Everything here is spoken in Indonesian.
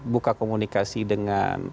buka komunikasi dengan